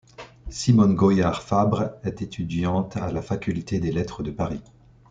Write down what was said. Simone Goyard-Fabre est étudiante à la faculté des lettres de Paris.